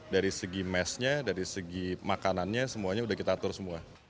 dari segi mesnya dari segi makanannya semuanya sudah kita atur semua